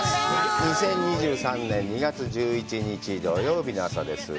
２０２３年２月１１日、土曜日の朝です。